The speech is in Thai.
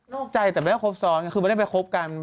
นอกใจแต่ไม่มีเลือดพอสอน